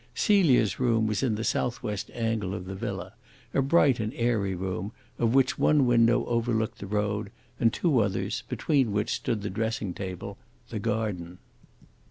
Celia's room was in the southwest angle of the villa, a bright and airy room, of which one window overlooked the road, and two others, between which stood the dressing table, the garden.